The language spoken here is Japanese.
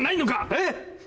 えっ？